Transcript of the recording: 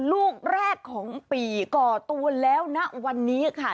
ลูกแรกของปีก่อตัวแล้วณวันนี้ค่ะ